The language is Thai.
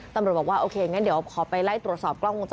ตำรวจบอกว่าโอเคงั้นเดี๋ยวขอไปไล่ตรวจสอบกล้องวงจร